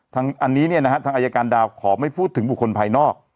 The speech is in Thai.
ทางอ๐๙อายการดาวขอไม่พูดถึงบุคคลภายนอก